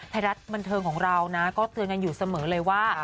ไทยรัฐบันเทิงของเรานะก็เตือนกันอยู่เสมอเลยว่า